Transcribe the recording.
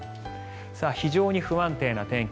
非常に不安定な天気。